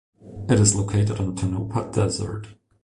It is located on the Tonopah Desert.